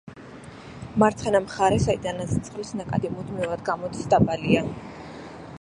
მარცხენა მხარე, საიდანაც წყლის ნაკადი მუდმივად გამოდის, დაბალია.